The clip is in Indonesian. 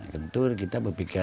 tentu kita berpikir